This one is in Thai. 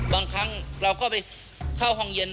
บางครั้งเราก็ไปเข้าห้องเย็น